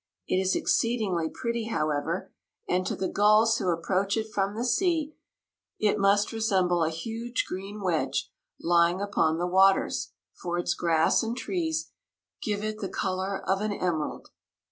It is exceedingly pretty, however, and to the gulls who approach it from the sea it must resemble a huge green wedge lying upon the waters, for its grass and trees give it the color of an emerald.